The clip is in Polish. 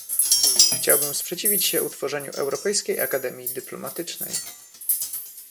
Chciałbym sprzeciwić się utworzeniu Europejskiej Akademii Dyplomatycznej